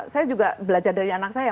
saya juga belajar dari anak saya